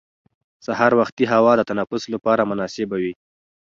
سهار وختي هوا د تنفس لپاره مناسبه وي